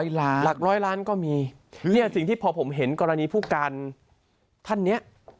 หลักร้อยล้านก็มีเนี่ยสิ่งที่พอผมเห็นกรณีผู้การท่านเนี่ย